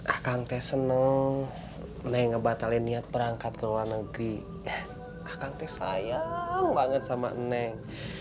akang teh seneng menengah batalin niat perangkat ke luar negeri akang teh sayang banget sama eneng